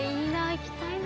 行きたいな」